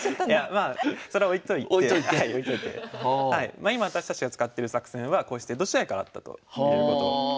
まあ今私たちが使ってる作戦はこうして江戸時代からあったということ。